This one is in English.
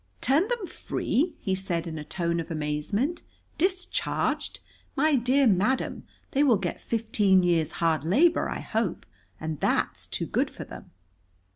"Turn them free!" he said in a tone of amazement. "Discharged! My dear madam, they will get fifteen years' hard labor, I hope. And that's too good for them."